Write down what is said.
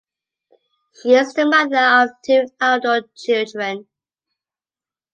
She is the mother of two adult children.